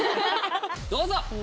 どうぞ！